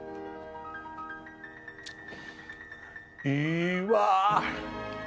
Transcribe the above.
いいわあ！